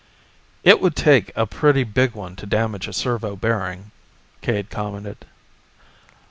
"It would take a pretty big one to damage a servo bearing," Cade commented.